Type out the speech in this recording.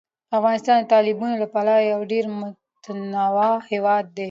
افغانستان د تالابونو له پلوه یو ډېر متنوع هېواد دی.